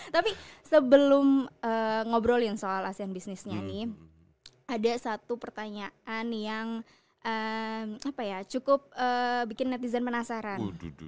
tapi sebelum ngobrolin soal asean bisnisnya nih ada satu pertanyaan yang cukup bikin netizen penasaran